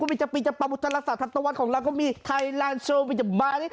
ก็มีเจ้าปีเจ้าปาบุตรศาสตร์ทักตะวันของเราก็มีไทยแลนด์โชว์มีเจ้าบ้าน